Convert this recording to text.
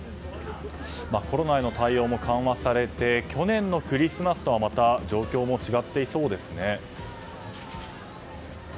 コロナへの対応も緩和されて去年のクリスマスとはまた状況が違っていそうですね。